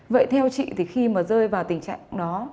vậy theo chị thì khi mà rơi vào tình trạng đó